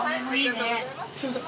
すいません。